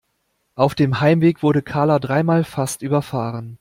Auf dem Heimweg wurde Karla dreimal fast überfahren.